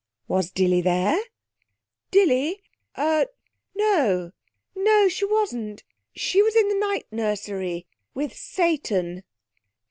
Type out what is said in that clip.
'Was Dilly there?' 'Dilly? Er no no she wasn't. She was in the night nursery, with Satan.'